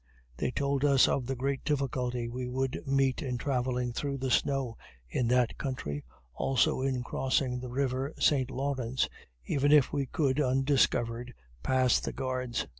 They told us of the great difficulty we would meet in travelling through the snow in that country, also in crossing the river St. Lawrence, even if we could, undiscovered, pass the guards.